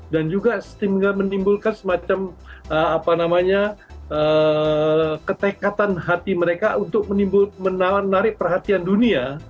dan juga menimbulkan semacam ketekatan hati mereka untuk menarik perhatian dunia